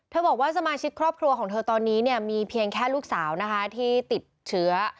บอกว่าสมาชิกครอบครัวของเธอตอนนี้เนี่ยมีเพียงแค่ลูกสาวนะคะที่ติดเชื้อ